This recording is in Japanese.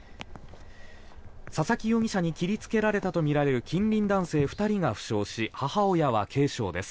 佐々木容疑者に切りつけられたとみられる近隣男性２人が負傷し母親は軽傷です。